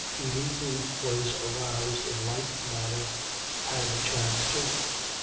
Judy, who was aroused in like manner, had her chance too.